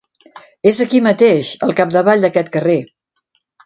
És aquí mateix, al capdavall d'aquest carrer.